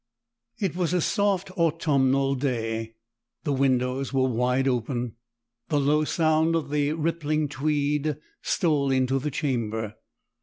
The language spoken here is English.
It was a soft autumnal day. The windows were wide open. The low sound of the rippling Tweed stole into the chamber.